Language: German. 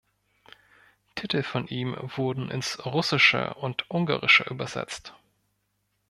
Titel von ihm wurden ins Russische und Ungarische übersetzt.